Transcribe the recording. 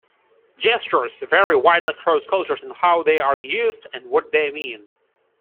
Gestures vary widely across cultures in how they are used and what they mean.